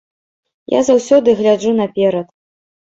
Я заўсёды гляджу наперад.